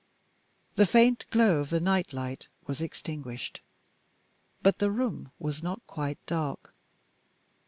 The faint glow of the night light was extinguished. But the room was not quite dark.